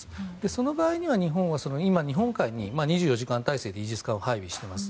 その場合は、日本は今日本海に２４時間態勢でイージス艦を配備しています。